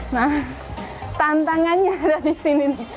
nah tantangannya ada di sini nih